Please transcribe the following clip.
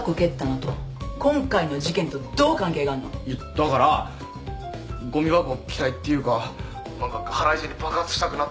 だからごみ箱嫌いっていうか何か腹いせに爆発したくなったっていうか。